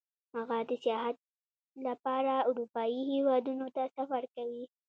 هغه د سیاحت لپاره اروپايي هېوادونو ته سفر کوي